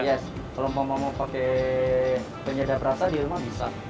yes kalau mau mau pakai penyedap rasa di rumah bisa